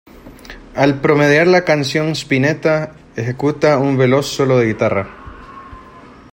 Al promediar la canción Spinetta ejecuta un veloz solo de guitarra.